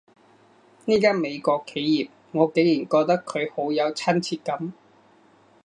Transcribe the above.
呢間美國企業，我竟然覺得佢好有親切感